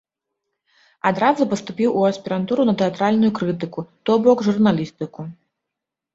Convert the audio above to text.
Адразу паступіў у аспірантуру на тэатральную крытыку, то бок журналістыку.